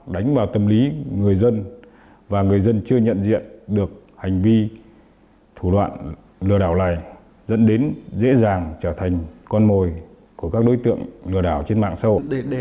đánh vào tâm lý người dân và người dân chưa nhận diện được hành vi thủ đoạn lừa đảo này dẫn đến dễ dàng trở thành con mồi của các đối tượng lừa đảo trên mạng xã hội